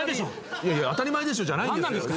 いやいや「当たり前でしょ」じゃないんですよ。